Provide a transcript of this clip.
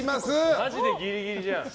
マジでギリギリじゃん。